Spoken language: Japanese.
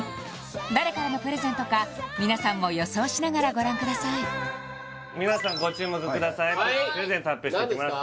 誰からのプレゼントか皆さんも予想しながらご覧くださいプレゼント発表していきます